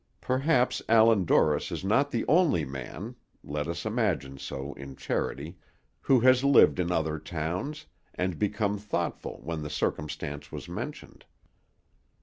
Perhaps Allan Dorris is not the only man let us imagine so, in charity who has lived in other towns, and become thoughtful when the circumstance was mentioned.